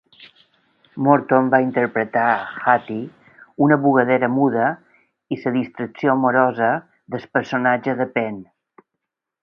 Morton va interpretar Hattie, una bugadera muda i la distracció amorosa del personatge de Penn.